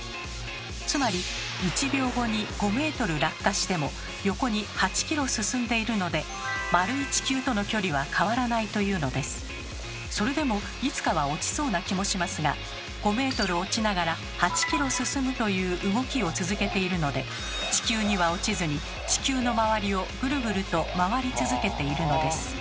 つまり１秒後に５ｍ落下しても横に８ｋｍ進んでいるので丸いそれでもいつかは落ちそうな気もしますが５ｍ落ちながら８ｋｍ進むという動きを続けているので地球には落ちずに地球の周りをぐるぐると回り続けているのです。